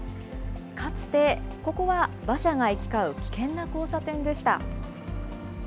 かつてここは馬車が行き交う危険な交差点でした。